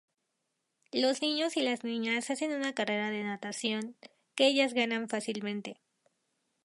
Los niños y las niñas hacen una carrera de natación, que ellas ganan fácilmente.